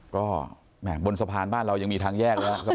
ก็บนสะพานบ้านเรายังมีทางแยกแล้ว